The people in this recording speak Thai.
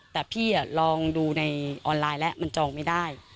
แต่พี่ลองดูในออนไลน์แล้วมันจองไม่ได้